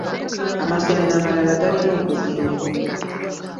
Amasomero amalala galina okuzimbibwa.